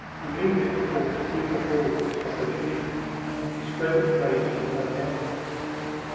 Amelia caught eager hold of this opportunity to spread the praises of her benefactor.